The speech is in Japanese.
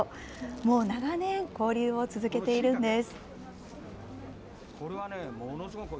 もう長年、交流を続けているんです。